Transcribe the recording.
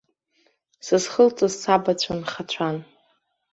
Сызхылҵыз сабацәа нхацәан.